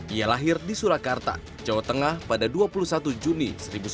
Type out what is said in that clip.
ia lahir di surakarta jawa tengah pada dua puluh satu juni seribu sembilan ratus empat puluh